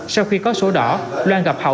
sau khi có số đỏ loan gặp hậu